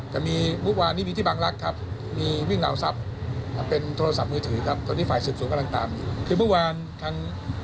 ก็ไม่ให้เขาไปเหมือนกัน